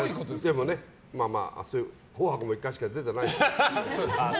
でもね、「紅白」も１回しか出てないし。